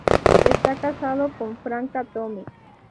Está casado con Franca Tome.